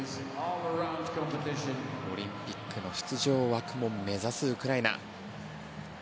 オリンピックの出場枠も目指すウクライナ。